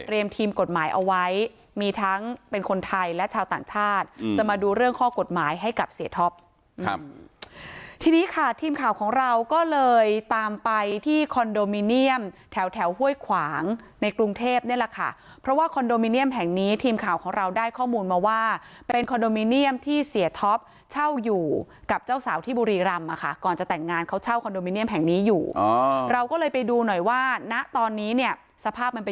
เตรียมทีมกฎหมายเอาไว้มีทั้งเป็นคนไทยและชาวต่างชาติจะมาดูเรื่องข้อกฎหมายให้กับเสียท็อปครับที่นี้ค่ะทีมข่าวของเราก็เลยตามไปที่คอนโดมิเนียมแถวแถวห้วยขวางในกรุงเทพนี่แหละค่ะเพราะว่าคอนโดมิเนียมแห่งนี้ทีมข่าวของเราได้ข้อมูลมาว่าเป็นคอนโดมิเนียมที่เสียท็อปเช่าอยู่กับเจ้าส